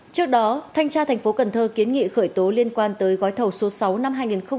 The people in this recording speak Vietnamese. trước đó thanh tra tp cần thơ kiến nghị khởi tố liên quan tới gói thầu số sáu năm hai nghìn một mươi sáu